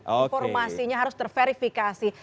informasinya harus terverifikasi